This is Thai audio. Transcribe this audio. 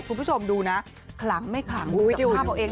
คุณผู้ชมดูนะคลังไม่คลังเป็นกับภาพเหล่าเอง